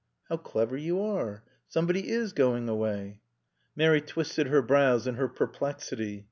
"How clever you are. Somebody is going away." Mary twisted her brows in her perplexity.